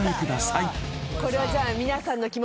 これはじゃあ。